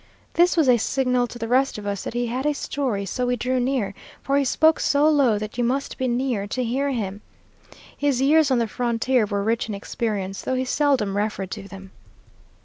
This was a signal to the rest of us that he had a story, so we drew near, for he spoke so low that you must be near to hear him. His years on the frontier were rich in experience, though he seldom referred to them.